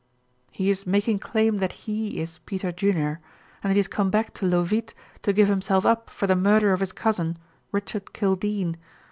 "He is making claim that he is Peter Junior, and that he has come back to Leauvite to give himself up for the murder of his cousin, Richard Kildene.